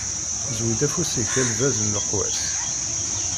Zwi-d afus-ik a lbaz n leqwas.